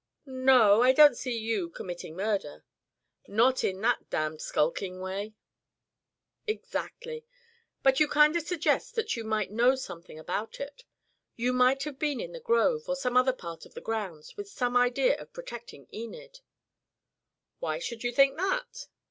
"No I don't see you committing murder " "Not in that damned skulking way " "Exactly. But you kind of suggest that you might know something about it. You might have been in the grove, or some other part of the grounds with some idea of protecting Enid " "Why should you think that?"